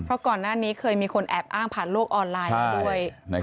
เพราะก่อนหน้านี้เคยมีคนแอบอ้างผ่านโลกออนไลน์มาด้วย